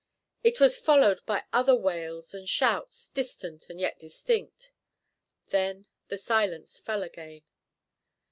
It was followed by other wails and shouts, distant and yet distinct. Then the silence fell again.